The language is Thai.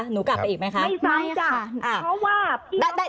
หนูกลับไปอีกไหมคะไม่จ้ะเพราะว่าได้